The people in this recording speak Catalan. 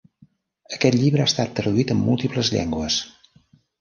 Aquest llibre ha estat traduït en múltiples llengües.